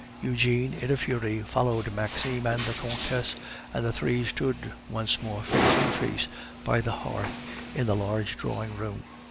Eugene, in a fury, followed Maxime and the Countess, and the three stood once more face to face by the hearth in the large drawing room.